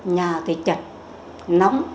nhà thì chật nóng